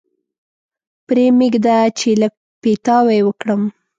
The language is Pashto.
پرې مېږده چې لږ پیتاوی وکړم.